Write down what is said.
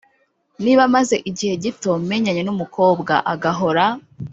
niba maze igihe gito menyanye n umukobwa agahora